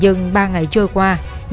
những thông tin của các đối tượng